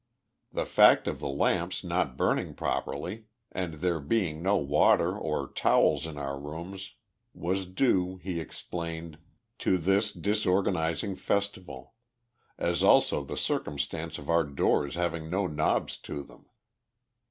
The fact of the lamps not burning properly, and there being no water or towels in our rooms, was due, he explained, to this disorganizing festival; as also the circumstance of our doors having no knobs to them.